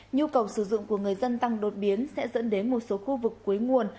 nhu cầu sử dụng của người dân tăng đột biến sẽ dẫn đến một số khu vực cuối nguồn